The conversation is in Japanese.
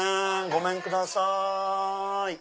ごめんください。